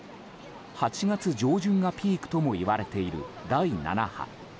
８月上旬がピークともいわれている第７波。